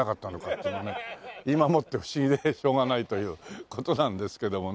今もって不思議でしょうがないという事なんですけどもね。